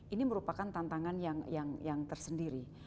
ini merupakan tantangan yang tersendiri